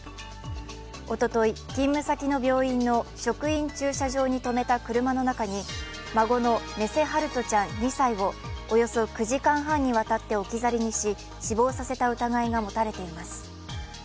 おととい、勤務先の病院の職員駐車場に止めた車の中に孫の目瀬陽翔ちゃん２歳をおよそ９時間半にわたって置き去りにし死亡させた疑いが持たれています。